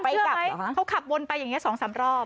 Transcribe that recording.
ไปกลับเขาขับวนไปอย่างนี้สองสามรอบ